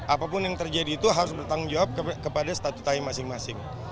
apapun yang terjadi itu harus bertanggung jawab kepada statuta yang masing masing